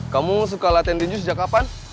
kamu suka latihan tinju sejak kapan